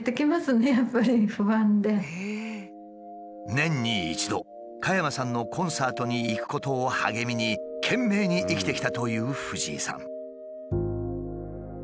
年に一度加山さんのコンサートに行くことを励みに懸命に生きてきたという藤井さん。